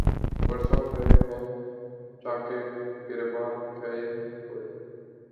برسوں ہوئے ہیں چاکِ گریباں کئے ہوئے